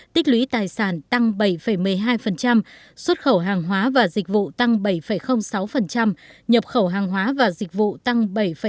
tích lũy tài sản tăng bảy một mươi hai xuất khẩu hàng hóa và dịch vụ tăng bảy sáu nhập khẩu hàng hóa và dịch vụ tăng bảy tám